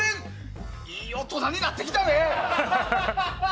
いい大人になってきたで！